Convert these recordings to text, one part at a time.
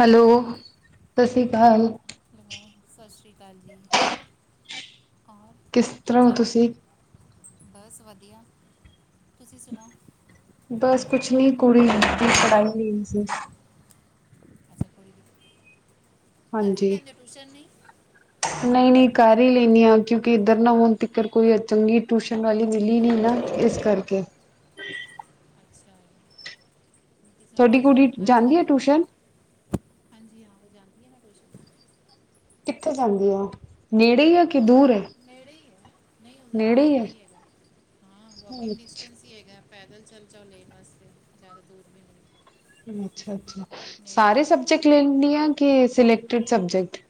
Hello, ਸਤਿ ਸ਼੍ਰੀ ਅਕਾਲ ਹੈਲੋ, ਸਤਿ ਸ਼੍ਰੀ ਅਕਾਲ ਜੀ। ਔਰ ਕਿਸ ਕੀ ਤਰ੍ਹਾਂ ਹੋ ਚੱਲ ਰਿਹਾ ਤੁਸੀਂ? ਬਸ ਵਧੀਆ, ਤੁਸੀਂ ਸੁਣਾਓ? ਬਸ ਕੁਝ ਨਾ ਕੁਝ ਕਰਕੇ ਕੁੜੀ ਦੀ ਪੜ੍ਹਾਈ ਨਹੀਂ ਹੋ ਰਹੀ ਸੀ। ਅੱਛਾ, ਕੋਈ ਘਰ ਆ ਕੇ ਟਿਊਸ਼ਨ ਨਹੀਂ ਲੈਂਦੇ? ਨਹੀਂ-ਨਹੀਂ ਕਰ ਹੀ ਲੈਂਦੀ ਹਾਂ, ਕਿਉਂਕਿ ਇੱਧਰ ਨਾ ਹੋਣ ਤਕ ਕੋਈ ਚੰਗੀ ਟਸ਼ਨ ਵਾਲੀ ਮਿਲੀ ਨਹੀਂ ਨਾ ਇਸ ਕਰਕੇ ਅੱਛਾ, ਸੋਡੀ ਕੁੜੀ ਜਾਂਦੀ ਅੱਜ-ਕੱਲ੍ਹ, ਹੈ ਦੀ ਟਿਊਸ਼ਨ ਪੜ੍ਹ ਹਾਂਜੀ ਹਾਂ ਉਹ ਜਾਂਣਦੀ ਹਾਂ ਮੈਂ ਕੋਛਾਂ ਕਿੱਥੇ ਜਾਂਦੀ ਔ, ਨੇੜੇ ਹੀ ਆ ਕਿ ਦੂਰ ਹੈ। ਨੇੜੇ ਹੀ ਹੈ ਨਹੀਂ ਉਹਦਾ ਤਾਂ ਨੇੜੇ ਹੀ ਹੈਗਾ, ਹਾਂ ਵੋਕਿੰਗ ਡਿਸਟੈਂਸ ਹੈਗਾ ਪੈਦਲ ਚੱਲ ਜਾ, ਉਹ ਮਸਤੇ ਜ਼ਿਆਦਾ ਦੂਰ ਵੀ ਨਹੀਂ। ਅੱਛਾ-ਅੱਛਾ ਨੇੜੇ ਹੀ ਸਾਰੇ ਹੈਗਾ ਉਹਦਾ ਸਬਜੈਕਟ ਤਾਂ ਲੈਦੀ ਆ, ਕਿ ਸਿਲੈਕਟਡ ਸਬਜੈਕਟ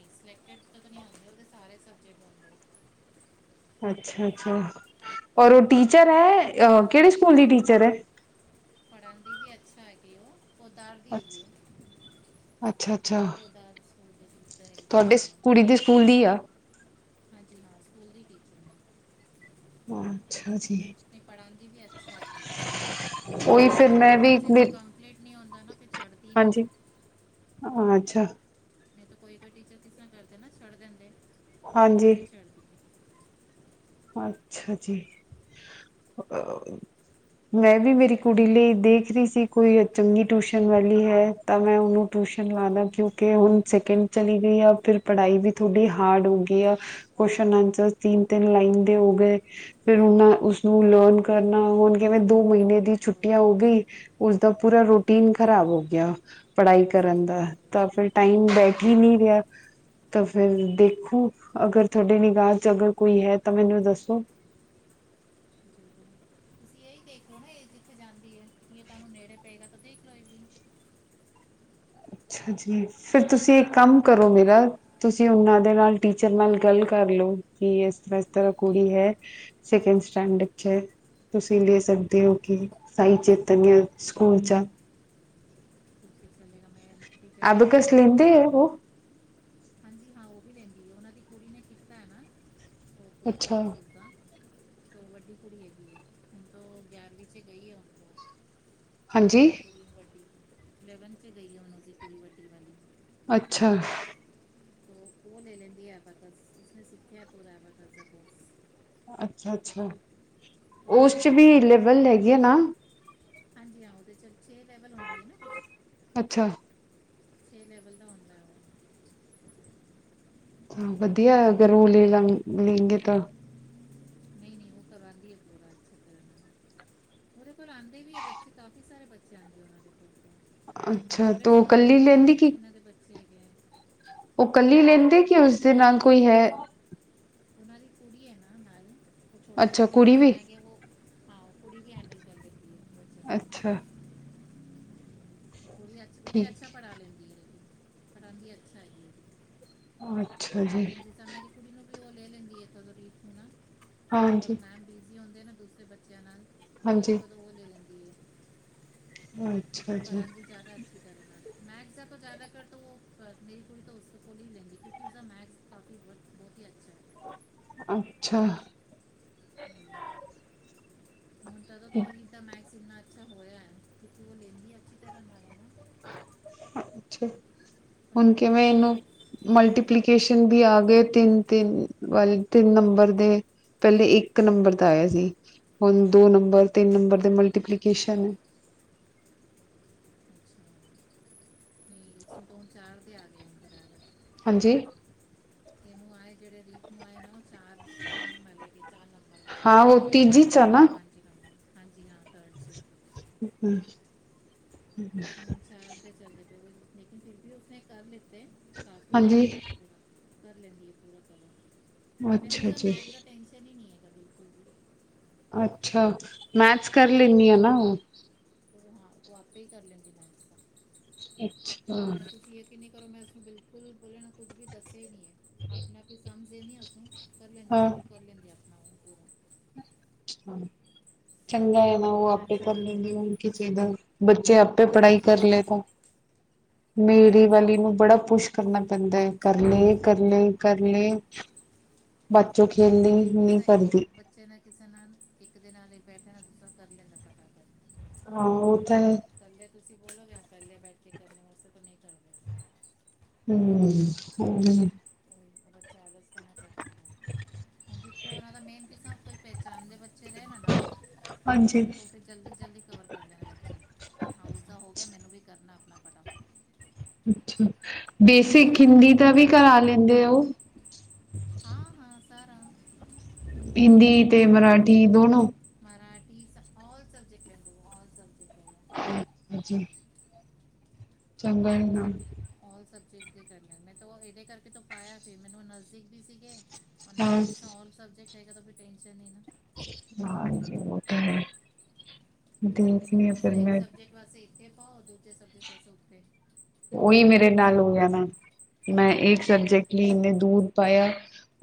ਸਲੈਕਟਡ ਤਾਂ ਤਾਂ ਨਹੀਂ ਆਉਂਦੇ ਉਹਦੇ ਸਾਰੇ ਸਬਜੈਕਟ ਹੁੰਦੇ ਅੱਛਾ-ਅੱਛਾ ਔਰ ਉਹ ਟੀਚਰ ਹੈ, ਉਹ ਪੜ੍ਹਾਉਂਦੀ ਕਿਹੜੇ ਵੀ ਸਕੂਲ ਦੀ ਟੀਚਰ ਹੈ। ਪੜ੍ਹਾ ਪੜ੍ਹਨ ਦੀ ਵੀ ਅੱਛਾ ਹੈਗੀ ਉਹ ਉਤਾਰ ਦੀ ਹੈਗੀ ਹੈ [unintelligible] ਅੱਛਾ-ਅੱਛਾ ਤੁਹਾਡੇ ਕੁੜੀ ਦੇ ਸਕੂਲ ਦੀ ਆ, ਹਾਂਜੀ, ਹਾਂ ਸਕੂਲ ਦੀ ਟੀਚਰ ਅੱਛਾ ਜੀ ਨਹੀਂ ਪੜ੍ਹਾਂ ਦੀ ਵੀ ਅੱਛਾ ਉਹੀ ਇੱਕ ਫਿਰ ਜਦੋਂ ਮੈਂ ਤਾਂ ਵੀ ਬੱਚੇ ਦਾ ਕੰਪਲੀਟ ਨਹੀਂ ਹੁੰਦਾ ਨਾ ਫਿਰ ਛੱਡਦੀ ਨਹੀਂ ਹਾਂਜੀ ਉਹ ਅੱਛਾ, ਨਹੀਂ ਤਾਂ ਕੋਈ-ਕੋਈ ਟੀਚਰ ਇਸ ਤਰ੍ਹਾਂ ਕਰਦੇ ਨੇ ਕਿ ਛੱਡ ਦਿੰਦੇ ਨੇ, ਪਰ ਉਹ ਹਾਂਜੀ ਨਹੀਂ ਛੱਡਦੀ। ਅੱਛਾ ਜੀ। ਮੈਂ ਵੀ ਅੱਛਾ ਆਪਣੀ ਹੈਗਾ ਕੁੜੀ ਲਈ ਦੇਖ ਰਹੀ ਸੀ, ਕੋਈ ਚੰਗੀ ਟਿਊਸ਼ਨ ਵਾਲੀ ਹੈ। ਤਾਂ ਮੈਂ ਉਹਨੂੰ ਟਿਊਸ਼ਨ ਲਵਾ ਦਿਆਂ, ਕਿਉਂਕਿ ਹੁਣ ਉਹ ਸੈਕਿੰਡ ਕਲਾਸ ਵਿੱਚ ਚਲੀ ਗਈ ਹੈ, ਫਿਰ ਪੜ੍ਹਾਈ ਵੀ ਚੰਗੀ ਤਰ੍ਹਾਂ ਹੋ ਜਾਵੇਗੀ। ਥੋੜ੍ਹੀ ਹਾਰਡ ਹੋ ਗਈ ਆ, ਕੁਝ ਕੁਸ਼ਚਨ-ਆਂਸਰ ਤਿੰਨ-ਤਿੰਨ ਲਾਈਨਾਂ ਦੇ ਹੋ ਗਏ ਨੇ। ਫਿਰ ਉਹ ਉਸਨੂੰ ਲਰਨ ਕਰਨਾ ਹੁਣ ਕਿਵੇਂ ਦੋ ਮਹੀਨੇ ਦੀ ਛੁੱਟੀ ਬਹੁਤ ਹੋ ਗਈ। ਮੁਸ਼ਕਿਲ ਉਸਦਾ ਪੂਰਾ ਰੋਟੀਨ ਖ਼ਰਾਬ ਹੋ ਗਿਆ। ਪੜ੍ਹਾਈ ਸਹੀ ਕਰਨ ਦਾ ਕਰ ਰਹੇ ਤਾਂ ਫਿਰ ਹੋ ਟਾਈਮ ਉਹੀ ਹੋਈ ਬੈਠ ਹੀ ਨਹੀਂ ਰਿਹਾ। ਤਾਂ ਫੇਰ ਦੇਖੋ ਅਗਰ ਤੁਹਾਡੇ ਨਿਗਾਹ ਚ ਅਗਰ ਕੋਈ ਹੈ, ਤਾਂ ਮੈਨੂੰ ਦੱਸੋ। ਤੁਸੀਂ ਇਹੀ ਦੇਖ ਲੋ ਨਾ ਇਹ ਜਿੱਥੇ ਜਾਂਦੀ ਹੈ, ਤੁਹਾਨੂੰ ਨੇੜੇ ਪਏਗਾ, ਤਾਂ ਦੇਖ ਲੋ ਇਹ ਵੀ ਅੱਛਾ ਜੀ, ਫਿਰ ਤੁਸੀਂ ਇੱਕ ਕੰਮ ਕਰੋ ਮੇਰਾ ਤੁਸੀਂ ਉਹਨਾਂ ਦੇ ਨਾਲ ਟੀਚਰ ਨਾਲ ਗੱਲ ਕਰ ਲਓ, ਕਿ ਇਸ ਤਰ੍ਹਾਂ ਇਸ ਤਰ੍ਹਾਂ ਕੁੜੀ ਹੈ। ਸਕਡ ਸਟਾਂਡ ਚ ਤੁਸੀਂ ਲੈ ਸਕਦੇ ਹੋ ਜ਼ਰੂਰ ਕਿ ਸਾਈ ਚੇਤਨ ਆ ਸਕੂਲ ਚ ਆ [unintelligible] ਆਦੂ ਦੇ ਗੱਲ ਸਲਿੰਡੇ ਕਰਕੇ ਇੱਕ ਵੋ ਵਾਰ ਹਾਂਜੀ ਹਾਂ ਉਹ ਵੀ ਲੈਂਦੀ ਉਹ ਉਹਨਾਂ ਦੀ ਕੁੜੀ ਨੇ ਕੀਤਾ ਹੈ ਨਾ ਉਹ ਪੂਰਾ ਅੱਛਾ ਕੋਰਸ ਉਹਦਾ ਦੋ ਵੱਡੀ ਕੁੜੀ ਹੈਗੀ ਹੈ ਦੋ ਗਿਰਵੀਂ ਚ 'ਗਈ ਹੋ ਹਾਂਜੀ ਵੱਡੀ ਲੈਗਨ ਚ ਗਈ ਉਹ ਦੀ ਕੁੜੀ ਵੱਡੀ ਬੰਦੀ ਅੱਛਾ। ਤੋਂ ਉਹ ਲੈ ਲੈਂਦੀ [unintelligible] ਸਿੱਖਿਆ [unintelligible] ਅੱਛਾ ਅੱਛਾ ਤੋਂ ਉਸ ਚ ਉਹ ਵੀ ਪੜਾ ਲੈਂਦੀ ਹੈ ਰੇਬਲ ਹੈਗੇ ਆ ਬਕਸ ਨਾ ਹਾਂਜੀ ਹਾਂ ਉਹਦੇ ਚ ਛੇ ਲੈਵਲ ਹੁੰਦੀ ਹੈ ਨਾ ਕੁਛ ਅੱਛਾ। ਇਹ ਲੈਵਲ ਦਾ ਹੁੰਦਾ ਹੈ। [inaudible] ਵਧੀਆ ਅਗਰ ਉਹ ਮੂਲੀ ਲੰਘ ਬਲਿੰਗੇ ਤੰਗ ਨਹੀਂ ਨਹੀਂ ਬੂੰਦਾਂ ਬੰਦੀ [unintelligible] ਉਹਦੇ ਕੋਲ ਆਉਂਦੇ ਵੀ ਹੈ ਬੱਚੇ ਕਾਫੀ ਸਾਰੇ ਬੱਚੇ ਆਉਂਦੇ ਆ ਉਨਾਂ ਦੇ ਕੋਲ ਅੱਛਾ ਤੋਂ ਕੱਲੀ ਲੈਂਦੀ ਕੀ ਠੀਕ ਏ। ਉਹ ਕੱਲੀ ਲੈਂਦੇ ਕਿ ਉਸਦੇ ਨਾਲ ਕੋਈ ਹੈ? ਉਹਨਾਂ ਦੀ ਕੁੜੀ ਨਾਲ ਉਹ ਛੋਟੇ ਅੱਛਾ ਬੱਚੇ ਕੁੜੀ ਜਿਸੇ ਤਾਰਾ ਵੀ ਹੈਗੇ ਉਹ ਪਾ ਕੁੜੀ ਵੀ ਹੈਂਡਲ ਕਰਦੇ ਤੀ ਹੈ ਬੱਚੇ ਅੱਛਾ [inaudible] ਉਹ ਵੀ ਉਹ ਵੀ ਠੀਕ ਅੱਛਾ ਪੜ੍ਹਾ ਲੈਂਦੀ ਏ ਪੜ੍ਹਾਦੀ ਅੱਛਾ ਹੈ। ਅੱਛਾ ਜੀ! ਤਾਂ ਮੇਰੀ ਕੁੜੀ ਨੂੰ ਵੀ ਉਹ ਲੈ ਲੈਂਦੀ ਏ ਜਦੋਂ ਵੀ ਹਨਾ ਕਦੋਂ- ਕਦੋਂ ਹਾਂਜੀ ਮੈਮ ਬਿਜ਼ੀ ਹੁੰਦੇ ਨਾ ਦੂਸਰੇ ਬੱਚੇ ਬੱਚਿਆਂ ਨਾਲ ਕਦੋਂ ਹਾਂਜੀ ਕਦੋਂ ਉਹ ਲੈ ਰਹਿੰਦੀ ਹੈ। ਅੱਛਾ ਜੀ ਜ਼ਿਆਦਾ ਅੱਛੀ ਕਰੇਗਾ ਮੈਥ ਦਾ ਤਾਂ ਜ਼ਿਆਦਾ ਕਰ ਤੋਂ ਉਹ ਮੇਰੀ ਕੁੜੀ ਤਾਂ ਉਸ ਤੋਂ ਥੋੜੀ ਹੀ ਲੈਂਗੀ ਕਿਉਂਕਿ ਉਸਦਾ ਮੈਥਸ ਕਾਫੀ ਬਹੁ ਬਹੁਤ ਹੀ ਅੱਛਾ ਏ। ਅੱਛਾ। [inaudible] ਜਦੋਂ ਤੋਂ ਰੇਤਾ ਮੈਕਸ ਨਾ ਅੱਛਾ ਹੋਇਆ ਕਿ ਉਹ ਲੈਂਦੀ ਅੱਛੀ ਤਰ੍ਹਾਂ ਨਾਲ। ਅੱਛਾ ਹੁਣ ਪੜਾਉਂਦੀ ਕਿਵੇਂ ਅੱਛਾ ਇਹਨੂੰ ਹੈ ਮਲਟੀਪਲੀ ਨੋਟੀਫਿਕੇਸ਼ਨ ਵੀ ਆ ਗਏ ਤਿੰਨ -ਤਿੰਨ ਵਾਲੇ ਤਿੰਨ ਨੰਬਰ ਦੇ। ਪਹਿਲੇ ਇੱਕ ਨੰਬਰ ਦਾ ਆਇਆ ਸੀ ਹੁਣ ਦੋ ਨੰਬਰ ਹਾਂਜੀ ਤਿੰਨ ਅੱਛਾ ਨੰਬਰ ਦੇ ਮਲਟੀਕੇਸ਼ਨ [unintelligible] ਦੋ ਚਾਰ ਦੇ ਆ ਗਏ ਥੋੜਾ ਹਾਂਜੀ ਨੂੰ ਆਏ ਜਿਹੜੇ ਰੀਪ ਨੂੰ ਆਏ ਨਾ ਉਹ ਚਾਰ ਚਾਰ ਮਹੱਲੇ ਦੀ ਚਾਰ ਨੰਬਰ ਹਾਂ ਉਹ ਤੀਜੀ ਚ ਚਾਰ ਆ ਨਾ ਔਰ- ਪੰਜ। ਹਾਂ ਹਾਂਜੀ ਹਾਂ ਥਰਡ ਸੀ। ਹੂ,,, ਚਾਰ ਦੇ ਚੱਲਦੇ ਪਰ ਫਿਰ ਵੀ ਉਸਨੇ ਕਰ ਲਿੱਤੇ। ਕਾਫੀ ਹੱਦ ਹਾਂਜੀ ਤੱਕ ਪਰਾ ਕਰ ਲੈਂਦੀ ਹੈ ਪੂਰਾ ਕੰਮ। ਮੈਨੂੰ ਅੱਛਾ ਤਾਂ ਜੀ ਮੈਥ ਦਾ ਟੈਨਸ਼ਨ ਹੀ ਨਹੀਂ ਕਦੀ। ਅੱਛਾ ਮੈਥਸ ਕਰ ਲੈਂਦੀ ਹੈ ਨਾ ਉਹ। ਹਾਂ ਉਹ ਆਪੇ ਹੀ ਕਰ ਲੈਂਦੀ ਮੈਥਸ ਦਾ। ਅੱਛਾ ਮ ਤੁਸੀਂ ਯਕੀਨੀ ਕਰੋ ਮੈਂ ਉਸਨੂੰ ਬਿਲਕੁਲ ਬੋਲਣ ਕੁੱਝ ਵੀ ਦੱਸਿਆ ਹੀ ਨਹੀਂ ਏ। ਆਪਣੇ ਆਪ ਹੀ ਸਮਝਦੇ ਨ ਅੂੰ ਕਰ ਲੈਂਦੀ ਸੋਲਵ ਕਰ ਲੈਂਦੀ। ਆਪਣਾ ਪੂਰਾ ਚੰਗਾ ਹੈ ਨਾ ਉਹ ਲੇਕਿਨ ਆਪੇ ਅੱਛਾ ਕਰ ਲੈਦੀੇ। ਲੈਂਦੀ ਉਹ ਹੋਰ ਕੀ ਚਾਹੀਦਾ? ਬੱਚੇ ਆਪੇ ਪੜ੍ਹਾਈ ਕਰ ਲਏ ਤ ਮੇੜੀ ਸਹੀ ਹੈ ਵਾਲੀ ਨਹੀਂ ਨੂੰ ਹੋਤਾ ਬੜਾ ਹੈ ਪੁਸ਼ ਕਰਨਾ ਪੈਂਦਾ ਏ ਕਰ ਲੇ -ਕਰ ਲੇ -ਕਰ ਲੇ -ਕਰ ਲੇ ਬੱਚੋਂ ਖੇਲਣੀ ਹੀ ਨਹੀਂ ਕਰਦੀ। ਨਾ ਕਿਸੇ ਨਾਲ ਇੱਕ ਦੇ ਨਾਲ ਹੀ ਬੈਠੇ ਨਾ ਦੂ ਤਰ ਕਰ ਲੈਂਦਾ। ਫਟਾ ਹਾਂ ਉਹ ਤਾਂ ਇਕੱਲੇ ਤੁਸੀਂ ਬੋਲੋਗੇ ਪਹਿਲੇ ਬੈਠ ਕੇ ਕਰਨ ਵਾਸਤੇ ਤਾਂ ਨਹੀਂ ਕਰ ਪ ਹਮ ਹਮ ਬੱਚਾ ਆਲਸਪਨਾ ਕਰ ਦਿੰਦ, ਾ ਹੁਣ ਜਿੱਥੇ ਉਹਨਾਂ ਦਾ ਮੇਨ ਕਿਸਾ ਕੋਈ ਪਹਿਚਾਣਦੇ ਬੱਚੇ ਰਹੇ ਨਾ ਨਾਲ ਹਾਂਜੀ ਤਾਂ ਫਿਰ ਜਲਦੀ ਜਲਦੀ ਕਵਰ ਕਰ ਦੇਣਾ ਬੱਚਾ ਹਾਂ ਉਸਦਾ ਹੋ ਗਿਆ ਮੈਨੂੰ ਵੀ ਕਰਨਾ ਆਪਣਾ ਫਟਾਫਟ। [inaudible] ਅੱਛਾ ਹੁਣ ਉਸਦੀ ਬੇਸਿਕ ਇੱਕ ਹਿੰਦੀ ਫਰੈਂਡ ਦਾ ਵੀ ਹੈਗੀ ਕਰਾ ਲੈਂਦੇ ੳ। [inaudible] ਹਾਂ ਹਾਂ ਸਾਰਾ [inaudible] ਹਿੰਦੀ ਤੇ ਮਰਾਠੀ ਦੋਨੋ ਮਰਾਠੀ ਔਰ ਸੈਬਜੈਕਟ ਔਲ ਸੈਬਜੈਕਟ। ਅੱਛ ਜੀ ਚੰਗਾ ਨਾ ਲ ਸਬਜੈਕਟ ਦੇ ਕਰ ਲੈ ਮੈਂ ਤਾਂ ਇਹਦੇ ਕਰਕੇ ਤ ਪਾਇਆ ਫਿਰ ਮੈਨੂੰ ਨਜ਼ਦੀਕ ਵੀ ਸੀਗੇ ਨਾਲੇ ਕਿਸ ਸਬਜੈਕਟ ਹੈਗਾ ਟ ਨਾ ਹਜੀ ਹੋ ਤਾਂ ਹੈ ਦੇਖ ਲ ਫਿਰ ਮੈਂ ਪਾਸੇ ਇੱਥੇ ਪਾਓ ਦੂਜੇ ਸਜੇ ਪਾਸੇ ਉੱਥੇ ਉਹੀ ਉਹ ਬੜਾ ਮੇਰੇ ਨਾਲ ਮੁਸ਼ਕਿਲ ਹੋ ਗਿਆ ਹੁੰਦਾ ਨਾ ਮੈਂ ਇੱਕ ਸਬਜੈਕਟ ਲਈ ਇੰਨੇ ਦੂਰ ਪਾਇਆ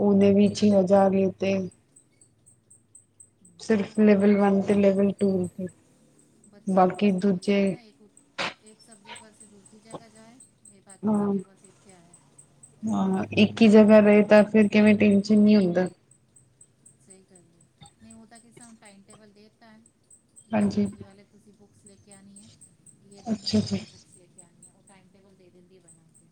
ਉਹਨੇ ਵੀ ਛੇ ਹਜ਼ਾਰ ਲਤੇ [unintelligible] ਸਿਰਫ਼ ਬੜਾ ਲੈਵਲ ਵਨ ਮੁਸ਼ਕਿਲ ਤੇ ਹੈ ਲੈਵਲ ਟੂ ਤੇ ਬੱਚਾ ਵੀ ਬਾਕੀ ਡਿਸਟਰਬ ਹੋ ਦੂਜੇ ਜਾਂਦਾ ਨਾ ਸਬਜੈਕਟ ਵਾਸਤੇ ਦੂੂਰ ਦੀ ਜਾ ਕੇ ਜਾਏ ਇਹ ਬਾਕੀ ਹਾਂ ਸਬਜ ਮਸੀੇਖ ਕਿਆ ਹੈ ਹਾਂ ਇੱਕ ਹੀ ਜਗ੍ਹਾ ਰਹੇ ਤਾਂ ਫਿਰ ਕਿਵੇਂ ਟੈਨਸ਼ਨ ਨਹੀਂੀ ਹੁੰਦਾ ਸਹੀ ਕਰ ਨਹੀਂ ਹੋ ਤਾਂ ਕਿ ਤ ਟਾਈਮ ਟੇਬਲ ਦੇ ਦਿੱਤਾ ਹੈ ਹਾਂਜੀ ਦਿਨ ਵਾਲੇ ਤੁਸੀਂ ਬੁੱਕਸ ਲੈ ਕੇ ਆਉਣੀ ਹੈ ਦਿਨ ਅੱਛਾ ਏ ਜੀ ਵਾਲੇ ਬੁੱਕ ਲੈ ਕੇ ਆਉਣੀ ਉਹ ਟਾਈਮ ਟੇਬਲ ਦੇ ਦਦੀ ਹੈ ਬਣਾ ਕੇ,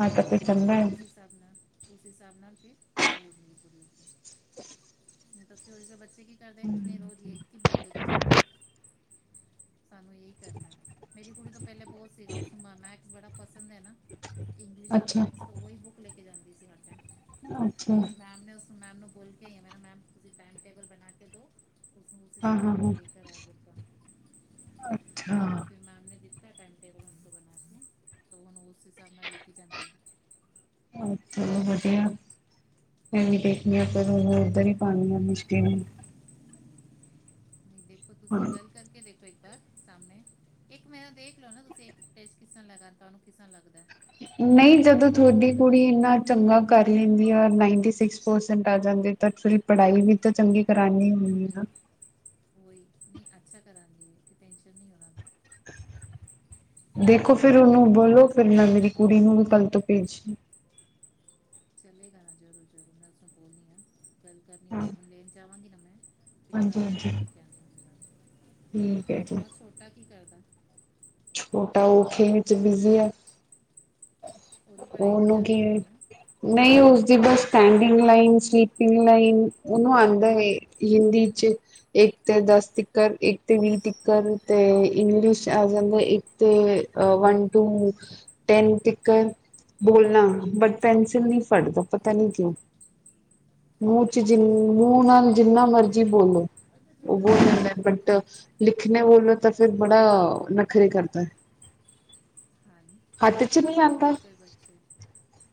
ਮਤੱੇ ਚੰਗਾ ਹਾਬ ਨਾਲ ਉਸ ਹਿਸਾਬ ਨਾਲ ਫ ਪੜ੍ਹਾਈ ਹੋਣੀ। [inaudible] ਨਹੀਂ ਤਾਂ ਕਿ ਬੱਚੇ ਕੀ ਕਰਦੇ ਨਹੀਂ ਰੋਜ਼ ਇੱਕ ਕੀ ਬੁੱਕ ਲੈ ਕੇ ਚਲੋ ਸਾਨੂੰ ਇਹੀ ਕਰਨਾ ਮੇਰੀ ਕੁੜੀ ਤੋਂ ਪਹਿਲੇ ਬਹੁਤ ਸੀਗਾ ਉਸ ਮੈਂ ਬੜਾ ਪਸੰਦ ਹੈ ਨਾ ਇੰਗਲਿਸ਼ ਔਰ ਅੱਛਾ ਮੈਥ ਤਾਂ ਉਹੀ ਬੁੱਕ ਲੈ ਕੇ ਜਾਂਦੀ ਸੀ ਹ ਟਾਈਮ ਅੱਛਾ ਮੈਮ ਨੇ ਮੈਮ ਨੂੰ ਬੋਲ ਕੇ ਆਈ ਮੈਂ ਮੈਮ ਤੁ ਟਾਈਮ ਟੇਬਲ ਬਣਾ ਕੇ ਦੋ ਹਾਂ ਹਾਂ ਨਾਲ ਉਹ ਹਾਂ ਲੈ ਕੇ ਆਇਆ ਬੁੱਕ ਅੱਛਾ ਫਿਰ ਮੈਮ ਨੇ ਦਿੱਤਾ ਟਾਈਮ ਟੇਬਲ ਬਣਾ ਤਾਂ ਹੁਣ ਉਸ ਹਿਸਾਬ ਨਾਲ ਲੈ ਕੇ ਜਾਂਦੀ ਥ ਵਧੀਆ ਇਨੀ ਦੇੇਖਣੀ ਆਪ ਦੋਨੋਂ ਉੱਧਰ ਹੀ ਪਾਉਣੀੀਆਂ ਮੁਸ਼ਕਿਲ ਜੀ। ਦੇਖੋ ਤੁਸੀਂ ਹਾਂ ਗੱਲ ਕਰਕੇ ਦੇਖੋ ਇੱਕ ਵਾਰ, ਸਾਹਮਣੇ। ਇੱਕ ਮੇਰਾ ਦੇਖ ਲੋ ਨਾ ਤੁਸੀਂ, ਇੱਕੇ ਕਿਸ ਤ੍ਹਾਂ ਲੈਗਾ, ਤੁਹਾਨੂੰ ਕਿ ਕਿਸ ਤ੍ਹਾਂ ਲੱਗਦਾ ਏ? ਨਈ, ਜਦੋਂ ਥੂਆਡੀ ਕੁੜੀ ਚੱਲੇ ਇੰਨਾ ਚੰਗਾ ਕਰ ਲੈਂਦੀ ਆ, ਔਰ ਨਾਈਨਟੀ ਸਿਕਸ ਪਰਸੈਂਟ ਆ ਜਾਂਦੇ, ਤਾਂ ਫਿਰ ਪੜ੍ਹਾਈ ਵੀ ਤਾਂ ਚੰਗੀ ਕਰਾਉਂਦੀ ਹੁੰਦੀ ਏ ਆ। ਉਹੀ ਨਈ ਅੱਛਾ ਕਰਾਂਦੀ ਏ, ਤੇ ਟੈਨਸ਼ਨ ਨਹੀਂ ਹੋਣਾ। ਦੇਖੋ ਫੇਰ ਉਹਨੂੰ ਬੋਲੋ, ਫਿਰ ਮੈਂ ਮੇਰੀ ਕੁੜੀ ਨੂੰ ਵੀ ਕੱਲ ਤੋਂ ਭੇਜ ਚਲੇਗਾ ਨਾ ਜ਼ਰੂਰ-ਜ਼ਰੂਰ ਮੈਂ ਉਸ ਨੂੰ ਬੋਲਣੀ ਆ, ਗੱਲ ਕਰਨੀ ਹਾਂ ਉਸ, ਹੁਣ ਲੈਣ ਜਾਵਾਂਗੀ ਨਾ ਮੈਂ ਫਿਰ ਕੱਲ ਹਾਂਜੀ ਗੱਲ ਹਾਂਜੀ ਕਰਕੇ ਠੀਕ ਹੈ [unintelligible] ਜੀ ਹੋਰ ਛੋਟਾ ਕੀ ਕਰਦਾ? ਛੋਟਾ ਔਹ ਖੇਲ ਚ ਬਿਜ਼ੀ ਐ। ਉਹਦੀ ਪੜ੍ਹਾਈ ਨਹੀਂ ਉਹਨੂੰ ਚਾਲੂ ਕੀ ਹੋਈ ਏ? ਹੋਣੀ ਨਾ ਨਈ ਉਸਦੀ ਬਸ ਸਟੈਂਡਿੰਗ ਲਾਈਨ, ਸਲੀਪਿੰਗ ਲਾਈਨ, ਉਹਨੂੰ ਆਉਂਦਾ ਏ, ਹਿੰਦੀ ਇੱਚ। ਇੱਕ ਤੇ ਦਸ ਤੀਕਰ, ਇੱਕ ਤੇ ਵੀਹ ਤੀਕਰ ਤੇ ਇੰਗਲਿਸ਼ ਆ ਜਾਂ ਇੱਕ ਤੇ ਅ ਵਨ ਟੂ। ਟੈਨ ਤੀਕਰ ਬੋਲਣਾ, ਬਟ ਪੈਨਸਿਲ ਨਹੀਂ ਫੜਦਾ, ਪਤਾ ਨੀ ਕਿਉਂ? ਮੂੰਹ ਚ ਜਿੰ, ਅੱਛਾ ਮੂੰਹ ਨਾਲ ਜਿੰਨਾ ਮਰਜ਼ੀ ਬੋਲੋ। ਉਹ ਜੀ ਬੋਲ ਲੈਂਦਾ ਬਟ, ਲਿਖਣੇ ਵਲੋਂ ਤਾਂ ਫਿਰ ਬੜਾ ਨਖਰੇ ਕਰਦਾ ਏ, ਹਾਂਜੀ ਹੱਥ ਚ ਉਹ ਨਈ ਹੁੰਦੇ ਆਉਂਦਾ। ਕੋਈ ਬੱਚੇ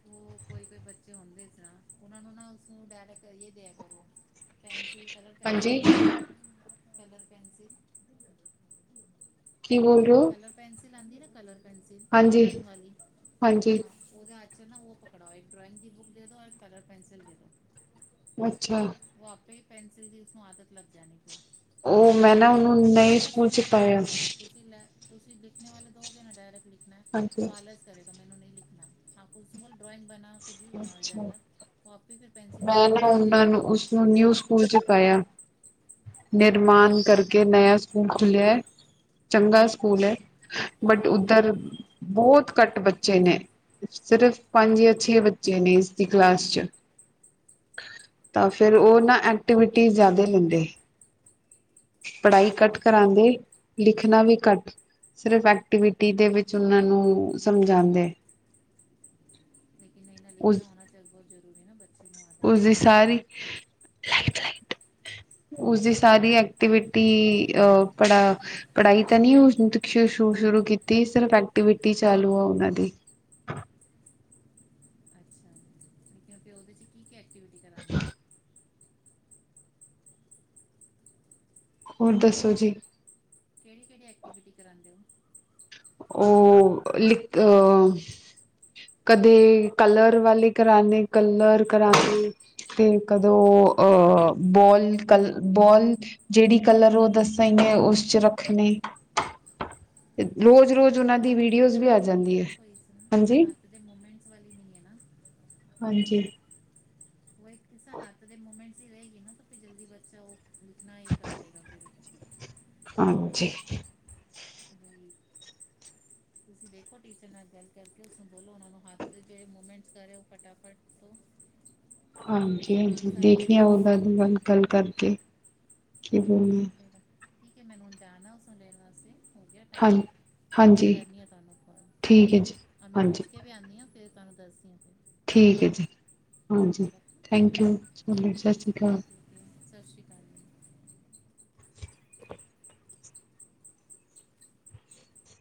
ਉਹ ਕੋਈ-ਕੋਈ ਬੱਚੇ ਹੁੰਦੇ ਸੀ ਨਾ, ਉਹਨਾਂ ਨੂੰ ਨਾ ਉਸਨੂੰ ਡਾਇਰੈਕਟਏ ਦਿਆ ਕਰੋ। ਪੈਨਸਿਲ ਕਲਰ ਪੈਨਸਿਲ ਹਾਂਜੀ ਹੁੰਦੇ ਨਾ, ਕਲਰ ਪੈਨਸਿਲ। ਹੂੰ-ਹੂੰ। ਕੀ ਬੋਲ ਰਹੇ ਔ? ਪੈਨਸਿਲ ਆਂਦੀ ਨਾ, ਕਲਰ ਪੈਨਸਿਲ, ਹਾਂਜੀ ਡਰੋਇੰਗ ਵਾਲੀ? ਹਾਂਜੀ ਹਾਂ। ਉਹਦੇ ਹਾਥ ਚ ਨਾ ਉਹ ਪਕੜਾਓ, ਇੱਕ ਡਰਾਇੰਗ ਦੀ ਬੁੱਕ ਦੇ ਦੋ, ਔਰ ਇੱਕ ਕਲਰ ਪੈਨਸਿਲ ਦੇ ਦੋ। ਅੱਛਾ। ਉਹ ਆਪੇ ਹੀ ਪੈਨਸਿਲ ਦੀ, ਉਸਨੂੰ ਆਦਤ ਲੱਗ ਜਾਣੀ ਉਹ ਮੈਂ ਨਾ ਉਹ ਉਹਨੂੰ, ਨਏ ਲਿਖਣੇ ਸਕੂਲ ਵਾਸਤੇ ਚ ਨਾ ਦੋ ਪਾਇਆ। ਡਾਇਰੈਕਟ ਤੁਸੀਂ ਲੈ, ਤੁਸੀਂ ਲਿਖਣੇ ਵਾਲੇ ਦੋਗੇ ਨਾ ਡਾਇਰੈਕਟ ਲਿਖਣਾ ਏ, ਉਹ ਹਾਂਜੀ। ਆਲਸ ਕਰੇਗਾ, ਮੈਨੂੰ ਨਹੀਂ ਲਿਖਣਾ। ਹਾਂ ਤੁਸੀਂ ਬੋਲ ਡਰੋਇੰਗ ਬਣਾ, ਕੁੱਝ ਵੀ ਬਣਾਓ ਇਹਦੇ ਅੱਛਾ ਅੰਦਰ, ਉਹ ਆਪੇ ਫਿਰ ਪੈਨਸਿਲ ਪਕੜਨਾ ਸਿੱਖ ਜਾਣਗੇ। ਹੁਣ ਨਿਊ ਸਕੂਲ ਚ ਪਾਇਆ। ਨਿਰਮਾਣ ਕਰਕੇ ਨਆ ਸਕੂਲ ਖੁੱਲ੍ਹਿਆ ਏ। ਚੰਗਾ ਸਕੂਲ ਹੈ, ਬਟ ਉੱਧਰ ਬੌਤ ਘੱਟ ਬੱਚੇ ਨੇ, ਸਿਰਫ਼ ਪੰਜ ਜਾਂ ਛੇ ਬੱਚੇ ਨੇ ਇਸਦੀ ਕਲਾਸ ਚ। ਤਾਂ ਫਿਰ ਉਹ ਨਾ ਐਕਟੀਵਿਟੀ ਜ਼ਿਆਦਾ ਲੈਂਦੇ। ਪੜ੍ਹਾਈ ਘੱਟ ਕਰਾਂਦੇ, ਲਿਖਣਾ ਵੀ ਘੱਟ ਸਿਰਫ ਐਕਟੀਵਿਟੀ ਦੇ ਵਿੱਚ ਉਹਨਾਂ ਨੂੰ ਸਮਝਾਉਂਦੇ। ਲੇਕਿਨ ਨਹੀਂ ਨਾ, ਉਸ ਲਿਖਣਾ ਆਉਣਾ [unintelligible] ਜ਼ਰੂਰੀ ਨਾ, ਬੱਚੇ ਨੂੰ ਆਦਤ ਉਸਦੀ ਸਾਰੀ, ਲਾਈ ਉਸਦੀ ਸਾਰੀ ਐਕਟੀਵਿਟੀ ਅਹ ਪੜਾ ਪੜ੍ਹਾਈ ਤਾਂ ਨਈ ਸੁ ਸ਼ੁਰੂ ਕੀਤੀ, ਸਿਰਫ ਐਕਟੀਵਿਟੀ ਚਾਲੂ ਆ ਉਹਨਾਂ ਦੀ। ਅੱਛਾ, ਠੀਕ ਹੈ। ਫੇਰ ਉਹਦੇ ਚ ਕੀ-ਕੀ ਐਕਟੀਵਿਟੀ ਕਰਾਂਦੇ? ਹੋਰ ਦੱਸੋ ਜੀ? ਕੇਹੜੀ-ਕੇਹੜੀ ਐਕਟੀਵਿਟੀ ਕਰਾਉਂਦੇ ਉਹ? [inaudible] ਉਹ ਲਿਖ ਅ [inaudible] ਕਦੇ ਕਲਰ ਵਾਲੇ ਕਰਾਣੇ, ਕਲਰ ਕਰਾਤੇ। ਤੇ ਕਦੋਂ ਅਹ ਬੋਲ ਕਲ ਬੋਲ ਜਿਹੜੀ ਕਲਰ ਉਹ ਦੱਸਾਂਣਗੇ ਉਸ ਚ ਰੱਖਣੇ [inaudible] ਰੋਜ਼ ਰੋਜ਼ ਉਹਨਾਂ ਹੱਥਾਂ ਦੇ ਦੀ ਮੂਮੈਂਟ ਵੀਡੀਓਜ਼ ਵੀ ਆ ਵਾਲੀ ਨੀ ਹੈ ਜਾਂਦੀ ਨਾ ਕੋਈ ਇਸ ਹਾਂਜੀ ਹੱਥ ਦੇ ਮੂਮੈਂਟ ਵਾਲੀ ਨਹੀਂ ਹੈ ਨਾ ਹਾਂਜੀ ਉਹ ਇੱਕ ਹੱਥ ਦੇ ਮੂਮੈਂਟ ਹੀ ਰਹੇਗੀ ਨਾ ਜਲਦੀ ਬੱਚਾ ਉਹ ਲਿਖਣਾ ਹੀ ਕਰ ਦੇਗਾ ਫਿਰ ਹਾਂਜੀ [inaudible] ਤੁਸੀਂ ਦੇਖੋ ਟੀਚਰ ਨਾਲ ਗੱਲ ਕਰਕੇ ਉਸਨੂੰ ਬੋਲੋ ਉਹਨਾ ਨੂੰ ਹੱਥ ਦੇ ਜਿਹੜੇ ਮੂਮੈਂਟ ਕਰਹੇ ਫਟਾਫਟ ਤੋਂ ਹਾਂਜੀ ਹਾਂਜੀ ਉਸਾਂ ਦੀ ਕੋਈ ਦੇਖਣੀ ਉਹਦਾ ਐਕਟੀਵਿਟੀ ਦ ਤੇ ਬਾੱਲ ਕੱਲ ਕਰਕੇ ਕੀ ਬੋਲਦੇ ਚੱਲੇਗਾ ਠੀਕ ਹੈ ਮੈਨੂੰ ਹੁਣ ਜਾਣਾ ਉਸੋਂ ਲੈਣ ਵਾਸਤੇ ਹੋ ਗਿਆ ਹਾਂ ਟਮ ਫਿਰ ਮੈਂ ਹਾਂਜੀ ਕਰਨੀ ਆ ਤੁਹਾਨੂੰ ਕਲ ਠੀਕ ਹੈ ਜੀ ਹਾਂ ਮੈਂ ਹਾਂਜੀ ਪੁੱਛ ਕੇ ਵੀ ਆਉਂਦੀ ਹਾਂ ਫੇਿਰ ਤੁਹਾਨੂੰ ਦੱਸਦੀਾਂ ਫਿਰ ਠੀਕ ਹੈ ਜੀ ਠੀਕ ਹਾਂਜੀ ਹੈ ਰੱਖੋ ਥੈਂਕ ਯੂ ਚਲੋ ਸਤਿ ਸ਼੍ਰੀ ਅਕਾਲ ਟੋਕੀਓ ਸਤਿ ਸ਼੍ਰੀ ਅਕਾਲ ਜੀ